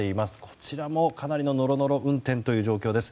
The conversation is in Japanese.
こちらもかなりのノロノロ運転の状況です。